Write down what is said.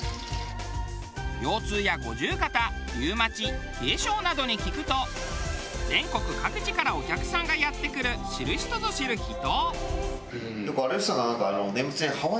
腰痛や五十肩リウマチ冷え症などに効くと全国各地からお客さんがやって来る知る人ぞ知る秘湯。